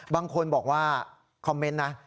บางคนบอกว่าคอมเมนต์นะ